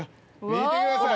見てください。